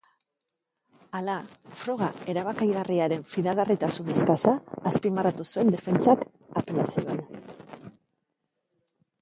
Hala, froga erabakigarriaren fidagarritasun eskasa azpimarratu zuen defentsak apelazioan.